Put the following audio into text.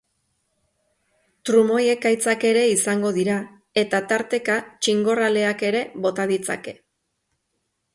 Trumoi-ekaitzak ere izango dira eta tarteka txingor aleak ere bota ditzake.